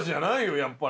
やっぱり。